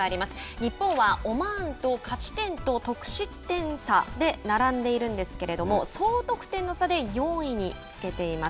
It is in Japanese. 日本はオマーンと勝ち点と得失点差で並んでいるんですけれども総得点の差で４位につけています。